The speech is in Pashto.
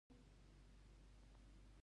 آیا د جومات جوړول په اشر نه کیږي؟